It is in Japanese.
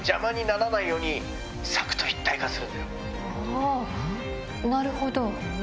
あなるほど。